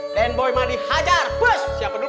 aden boy mandi hajar pus siapa dulu